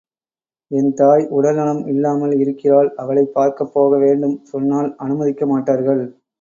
என் தாய் உடல் நலம் இல்லாமல் இருக்கிறாள் அவளைப் பார்க்கப் போக வேண்டும் சொன்னால் அனுமதிக்க மாட்டார்கள்.